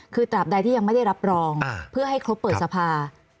คือตราบใดที่ยังไม่ได้รับรองเพื่อให้ครบเปิดสภา